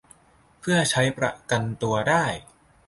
เผื่อใช้ประกันตัวได้